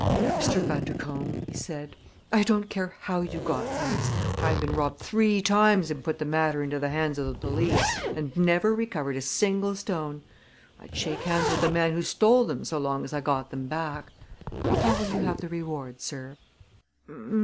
"Mr. Bundercombe," he said, "I don't care how you got these. I have been robbed three times and put the matter into the hands of the police and never recovered a single stone! I'd shake hands with the man who stole them so long as I got them back. How will you have the reward, sir?"